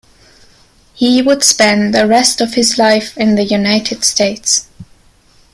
He would spend the rest of his life in the United States.